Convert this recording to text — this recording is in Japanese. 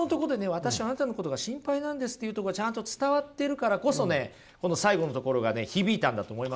私あなたのことが心配なんですっていうとこがちゃんと伝わっているからこそねこの最後のところがね響いたんだと思いますよ。